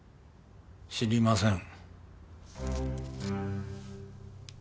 知りません。